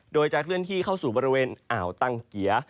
โดยจะเคลื่อนที่เข้าสู่บริเวณอ่าวตังเกีย